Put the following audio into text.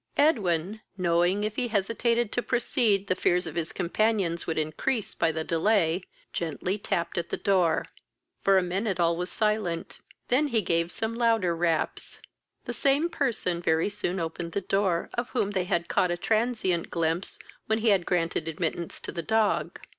Edwin, knowing, if he hesitated to proceed, the fears of his companions would increase by the delay, gently tapped at the door. For a minute all was silent; he then gave some louder raps. The same person very soon opened the door, of whom they had caught a transient glimpse when he had granted admittance to the dog.